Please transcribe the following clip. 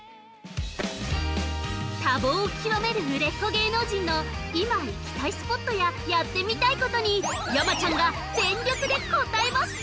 ◆多忙を極める売れっ子芸能人の今、行きたいスポットややってみたいことに山ちゃんが全力で応えます！